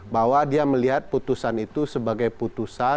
bahwa dia melihat putusan itu sebagai putusan